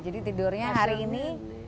jadi tidurnya hari ini